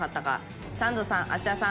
サンドさん芦田さん